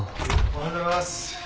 おはようございます。